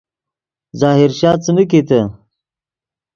ظاہر شاہ څیمین کیتے